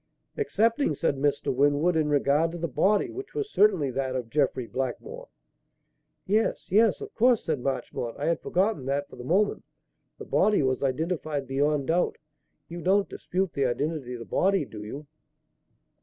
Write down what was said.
"Excepting," said Mr. Winwood, "in regard to the body; which was certainly that of Jeffrey Blackmore." "Yes, yes. Of course," said Marchmont. "I had forgotten that for the moment. The body was identified beyond doubt. You don't dispute the identity of the body, do you?"